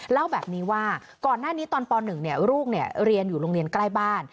เล่าแบบนี้ว่าก่อนหน้านี้ตอนป๑ลูกเรียนอยู่โรงเรียนใกล้บ้าน